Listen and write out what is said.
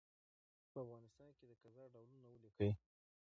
په افغانستان کي د قضاء ډولونه ولیکئ؟